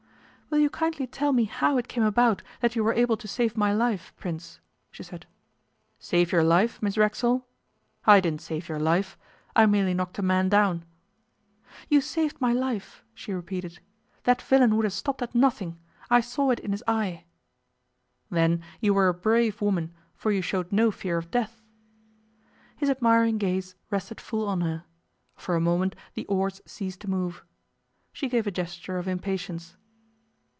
'Will you kindly tell me how it came about that you were able to save my life, Prince?' she said. 'Save your life, Miss Racksole? I didn't save your life; I merely knocked a man down.' 'You saved my life,' she repeated. 'That villain would have stopped at nothing. I saw it in his eye.' 'Then you were a brave woman, for you showed no fear of death.' His admiring gaze rested full on her. For a moment the oars ceased to move. She gave a gesture of impatience.